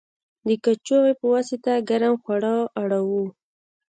د کاچوغې په واسطه ګرم خواړه اړوو.